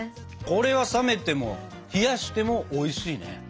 これは冷めても冷やしてもおいしいね。